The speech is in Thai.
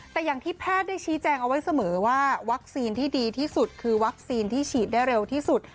แต่อย่างที่แพทย์ได้ชี้แจงเอาไว้เสมอว่าวัคซีนที่ดีที่สุดคือวัคซีนที่ฉีดได้เร็วที่สุด